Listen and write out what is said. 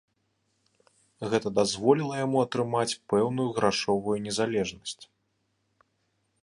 Гэта дазволіла яму атрымаць пэўную грашовую незалежнасць.